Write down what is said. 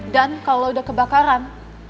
dan kalau lo udah kebakaran